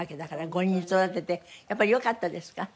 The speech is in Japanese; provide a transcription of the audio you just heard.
５人育ててやっぱりよかったですか？